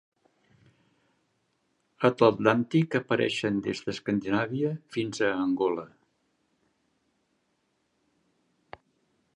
A l'Atlàntic apareix des d'Escandinàvia fins a Angola.